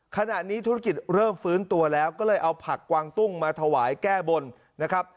ขณะนี้ธุรกิจเริ่มฟื้นตัวแล้วก็เลยเอาผักกวางตุ้งมาถวายแก้บนนะครับ